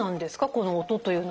この「音」というのは。